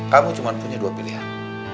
kamu cuma punya dua pilihan